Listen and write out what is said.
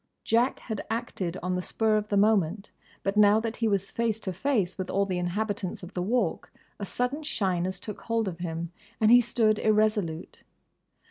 Jack had acted on the spur of the moment; but now that he was face to face with all the inhabitants of the Walk a sudden shyness took hold of him and he stood irresolute.